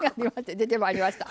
出てまいりました。